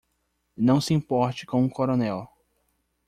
Não se importe com o coronel.